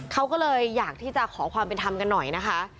เขาก็เลยอยากที่จะขอความเป็นธรรมกันหน่อยนะคะ